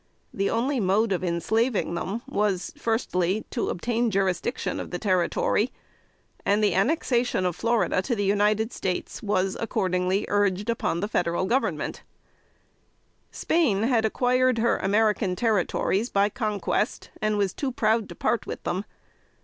The only mode of enslaving them was, firstly, to obtain jurisdiction of the Territory; and the annexation of Florida to the United States was, accordingly, urged upon the Federal Government. [Sidenote: 1811.] Spain had acquired her American territories by conquest, and was too proud to part with them.